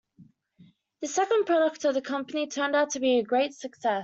The second product of the company turned out to be a great success.